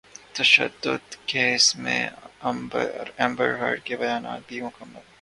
تشدد کیس میں Amber Heard کے بیانات بھی مکمل